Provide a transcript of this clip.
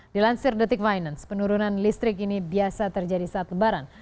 dilansir detik finance penurunan listrik ini biasa terjadi saat lebaran